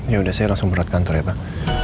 ya udah saya langsung berat kantor ya pak